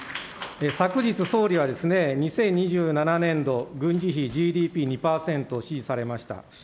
昨日総理は２０２７年度軍事費ＧＤＰ２％を指示されました。